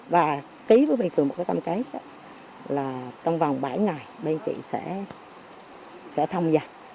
và ký với bên phường một cái tâm kết là trong vòng bảy ngày bên chị sẽ thông gia